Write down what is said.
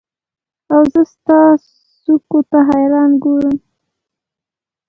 اوزه ستا څوکو ته حیران ګورم